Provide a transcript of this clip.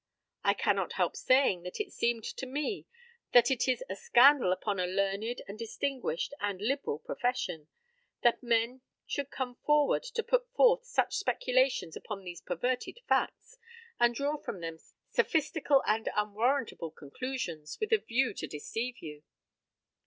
I cannot help saying that it seems to me that it is a scandal upon a learned, and distinguished, and liberal profession, that men should come forward to put forth such speculations upon these perverted facts, and draw from them sophistical and unwarrantable conclusions, with a view to deceive you.